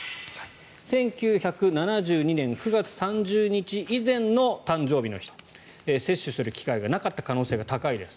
１９７２年９月３０日以前の誕生日の人接種する機会がなかった可能性が高いです。